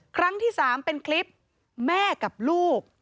ครั้งที่๓เป็นคลิปแม่กับลูก